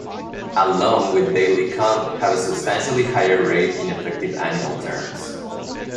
A loan with daily comp have a substantially higher rate in effective annual terms.